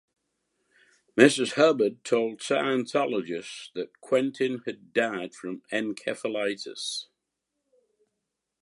Mrs. Hubbard told Scientologists that Quentin had died from encephalitis.